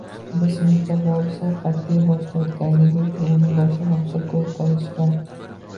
Bu sinfga borishdan qat’iy bosh tortganligi uchun uni boshqa maktabga o‘tkazishgan.